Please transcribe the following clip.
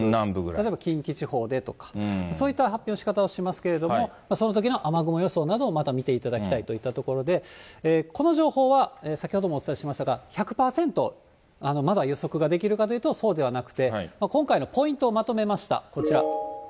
例えば近畿地方でとか、そういった発表のしかたをしますけれども、そのときの雨雲予想などをまた見ていただきたいといったところで、この情報は先ほどもお伝えしましたが、１００％まだ予測ができるかというと、そうではなくて、今回のポイントをまとめました、こちら。